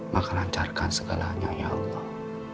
maka lancarkan segalanya ya allah